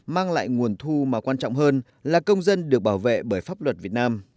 mang lại nguồn thu mà quan trọng hơn là công dân được bảo vệ bởi pháp luật việt nam